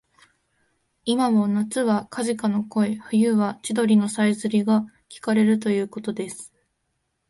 いまも夏はカジカの声、冬は千鳥のさえずりがきかれるということです